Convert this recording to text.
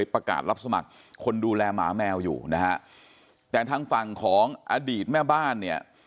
ประกาศรับสมัครคนดูแลหมาแมวอยู่นะฮะแต่ทางฝั่งของอดีตแม่บ้านเนี่ย